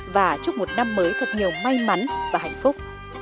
và chúc một năm mới thật nhiều may mắn và hạnh phúc